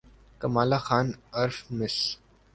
کمالہ خان عرف مس